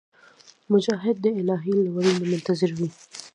مجاهد د الهي لورینې منتظر وي.